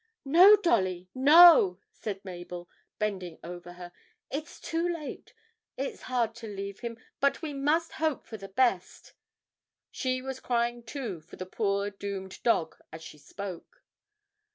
'No, Dolly, no,' said Mabel, bending over her; 'it's too late it's hard to leave him, but we must hope for the best.' She was crying, too, for the poor doomed dog as she spoke.